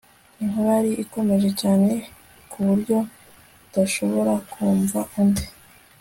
inkuba yari ikomeye cyane ku buryo tutashoboraga kumva undi